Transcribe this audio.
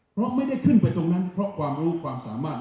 เพราะไม่ได้ขึ้นไปตรงนั้นเพราะความรู้ความสามารถ